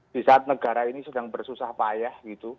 di saat negara ini sedang bersusah payah gitu